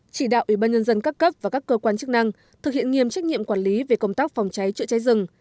chỉ đạo ủy ban nhân dân các cấp và các cơ quan chức năng thực hiện nghiêm trách nhiệm quản lý về công tác phòng cháy chữa cháy rừng